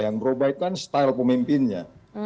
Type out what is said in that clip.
yang berubah itu kan style pemimpinnya